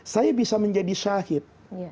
saya bisa menjadi syahid